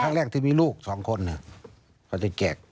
ครั้งแรกที่มีลูก๒คนเขาจะแกะ